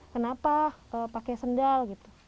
kenapa pakai sendal